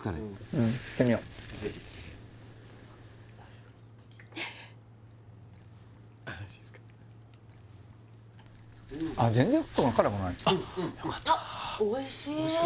うんいってみようあっよかったあっ